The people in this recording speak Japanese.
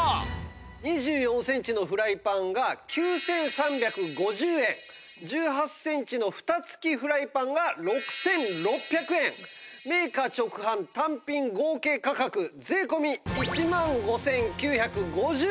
２４センチのフライパンが９３５０円１８センチの蓋付きフライパンが６６００円メーカー直販単品合計価格税込１万５９５０円です。